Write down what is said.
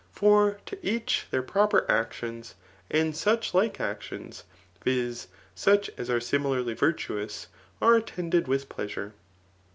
For to each their proper actions, and such like actions, [viz. such as are shnilarly virtuous,] are attended with pleasure.